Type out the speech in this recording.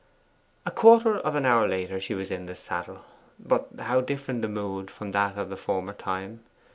A quarter of an hour later she was in the saddle. But how different the mood from that of the former time.